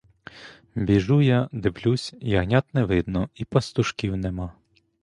Біжу я, дивлюсь — ягнят не видно і пастушків нема.